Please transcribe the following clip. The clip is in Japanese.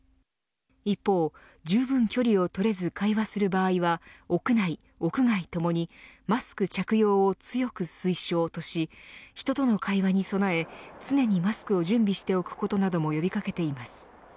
一方じゅうぶん距離をとれず会話する場合は屋内、屋外ともにマスク着用を強く推奨し、人との会話に備え常にマスクを準備しておくことなども呼び掛けています。